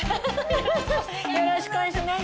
よろしくお願いします。